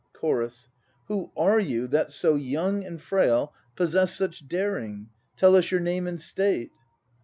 CHORUS. Who are you that, so young and frail, possess such daring? Tell us your name and state.